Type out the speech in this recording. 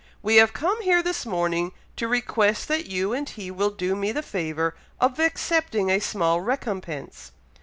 We have come here this morning to request that you and he will do me the favour to accept of a small recompense."